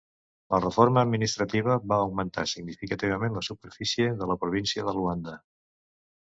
La reforma administrativa va augmentar significativament la superfície de la província de Luanda.